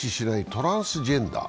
トランスジェンダー